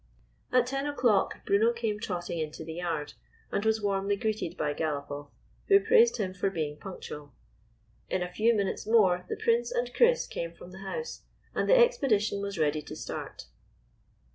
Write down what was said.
At ten o'clock Bruno came trotting into the yard, and was warmly greeted by Galopoff, who praised him for being punctual. In a few minutes more the Prince and Chris came from the house, and the expedition was ready to start.